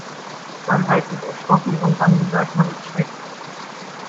Wann heißt es erschrocken und wann sagt man erschreckt?